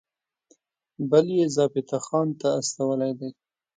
بل یې ضابطه خان ته استولی دی.